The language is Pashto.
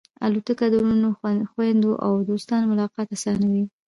الوتکه د وروڼو، خوېندو او دوستانو ملاقات آسانوي.